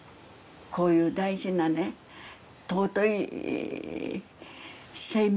こういう大事なね尊い生命をね